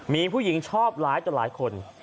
มีผู้หญิงชอบหลายต่อหลายคน